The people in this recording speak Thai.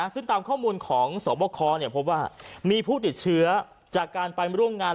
ซึ่งตามข้อมูลของสวบคพบว่ามีผู้ติดเชื้อจากการไปร่วมงาน